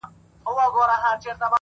زما په غــېږه كــي نــاســور ويـده دی!